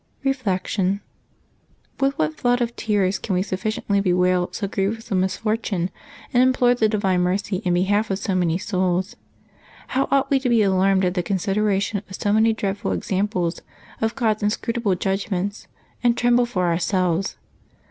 Reflection. — With what floods of tears can we suffi ciently bewail so grievous a misfortune, and implore the divine mercy in behalf of so many souls ! How ought we to be alarmed at the consideration of so many dreadful examples of God's inscrutable judgments, and tremble for ourselves